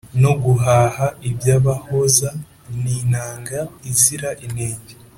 no guhaha ibyabahoza. ni inanga izira inenge